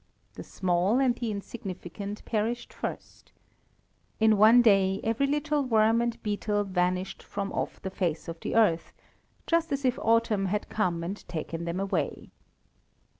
The small and the insignificant perished first. In one day, every little worm and beetle vanished from off the face of the earth, just as if autumn had come and taken them away.